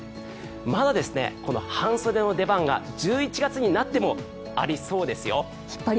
まだ半袖の出番が１１月になってもありそうですよ。